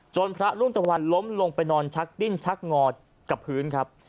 พระรุ่งตะวันล้มลงไปนอนชักดิ้นชักงอกับพื้นครับ